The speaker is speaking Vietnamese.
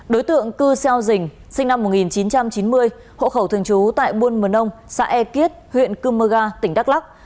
đối tượng cư xeo dình sinh năm một nghìn chín trăm chín mươi hộ khẩu thường trú tại buôn mờ nông xã e kiết huyện cư mơ ga tỉnh đắk lắc